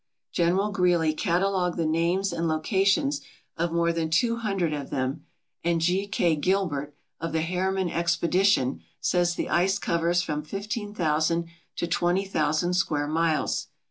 General Greely catalogued the names and locations of more than two hundred of them and G. K. Gilbert of the Harriman Expedition says the ice covers from fifteen thousand to twenty thousand square miles.